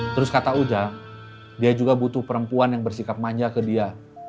terus kata uda dia juga butuh perempuan yang bersikap manja ke dia